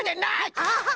アハハ！